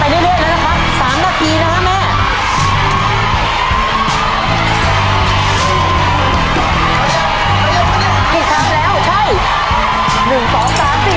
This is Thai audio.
เวลาเขาเดินไปเรื่อยแล้วนะครับ๓นาทีนะครับแม่